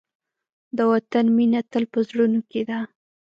د وطن مینه تل په زړونو کې ده.